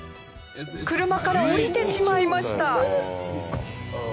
車から降りてしまいました！